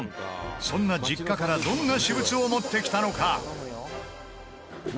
そんな実家からどんな私物を持ってきたのか？